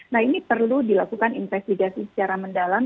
nah ini perlu dilakukan investigasi secara mendalam